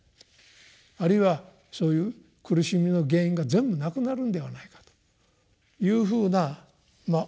あるいはそういう苦しみの原因が全部なくなるのではないかというふうなまあ